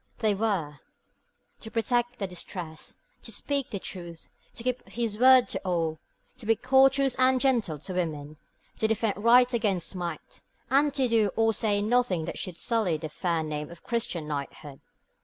They were to protect the distressed, to speak the truth, to keep his word to all, to be courteous and gentle to women, to defend right against might, and to do or say nothing that should sully the fair name of Christian knighthood.